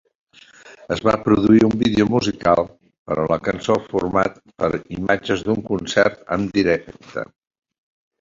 Es va produir un vídeo musical per a la cançó format per imatges d'un concert en directe.